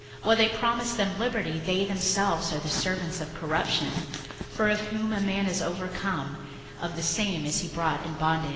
61:002:019 While they promise them liberty, they themselves are the servants of corruption: for of whom a man is overcome, of the same is he brought in bondage.